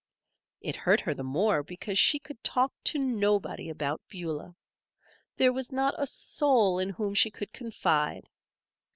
It hurt her the more because she could talk to nobody about Beulah. There was not a soul in whom she could confide.